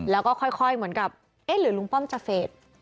แล้วก็ค่อยเหมือนกับเอ๊ะหรือลุงป้อมจะเฟส